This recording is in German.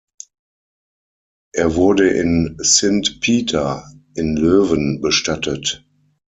Er wurde in Sint Pieter in Löwen bestattet.